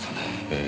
ええ。